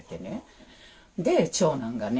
長男がね